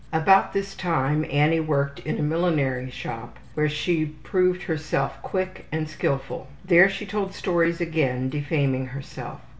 About this time Annie worked in a millinery shop where she proved herself quick and skilful. There she told stories again defaming herself.